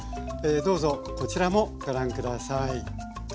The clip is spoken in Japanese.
どうぞこちらもご覧下さい。